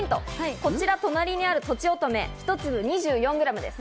こちら隣にある、とちおとめ、１つ２４グラムです。